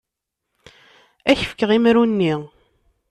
Ad ak-fkeɣ imru-nni.